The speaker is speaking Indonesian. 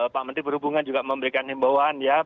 pak menteri perhubungan juga memberikan himbauan ya